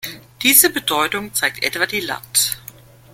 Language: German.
Diese Bedeutung zeigt etwa die „Lat.